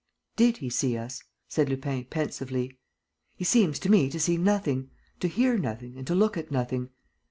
"Did he see us?" said Lupin, pensively. "He seems to me to see nothing, to hear nothing and to look at nothing.